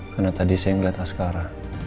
karena tadi saya ngeliat askara